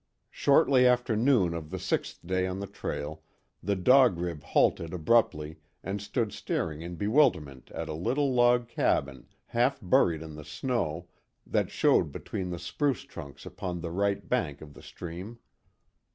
Shortly after noon of the sixth day on the trail, the Dog Rib halted abruptly and stood staring in bewilderment at a little log cabin, half buried in the snow, that showed between the spruce trunks upon the right bank of the stream.